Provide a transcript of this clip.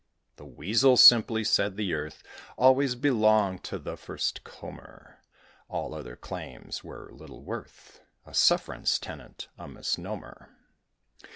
The Weasel simply said the Earth Always belonged to the first comer; All other claims were little worth: A sufferance tenant a misnomer.